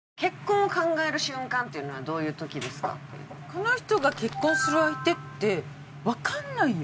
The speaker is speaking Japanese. この人が結婚する相手ってわかんないよね？